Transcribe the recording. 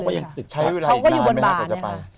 เขาก็อยู่บนบาน